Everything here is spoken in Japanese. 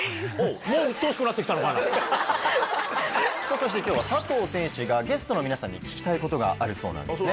そして今日は佐藤選手がゲストの皆さんに聞きたいことがあるそうなんですね。